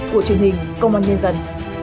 của truyền hình công an nhân dân